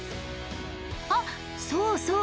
あっそうそう。